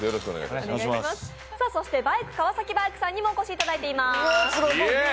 バイク川崎バイクさんにもお越しいただいています。